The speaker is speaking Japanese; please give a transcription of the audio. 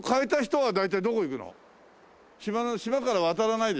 はい。